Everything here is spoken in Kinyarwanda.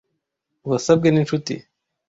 Wasabwe ninshuti.